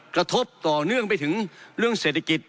กระทบต่อเนื่องไปถึงเรื่องเศรษฐกิจ